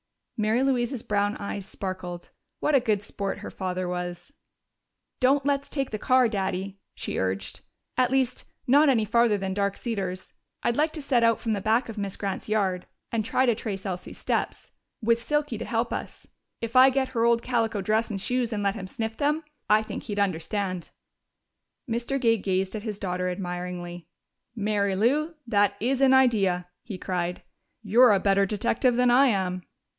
Mary Louise's brown eyes sparkled. What a good sport her father was! "Don't let's take the car, Daddy," she urged. "At least, not any farther than Dark Cedars. I'd like to set out from the back of Miss Grant's yard and try to trace Elsie's steps with Silky to help us. If I get her old calico dress and shoes and let him sniff them, I think he'd understand." Mr. Gay gazed at his daughter admiringly. "Mary Lou, that is an idea!" he cried. "You're a better detective than I am."